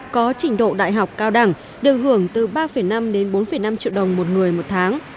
có trình độ đại học cao đẳng được hưởng từ ba năm đến bốn năm triệu đồng một người một tháng